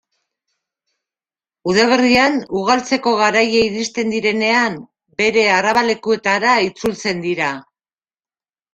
Udaberrian, ugaltzeko garaia iristen direnean, bere arrabalekuetara itzultzen dira.